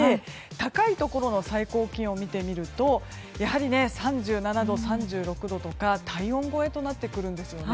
高いところの最高気温を見てみるとやはり３７度、３６度とか体温超えとなってくるんです。